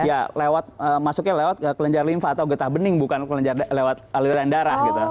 ya lewat masuknya lewat kelenjar limpa atau getah bening bukan kelenjar lewat aliran darah gitu